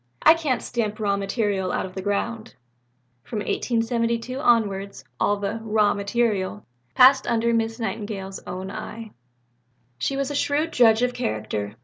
I can't stamp material out of the ground." From 1872 onwards all the "raw material" passed under Miss Nightingale's own eye. She was a shrewd judge of character.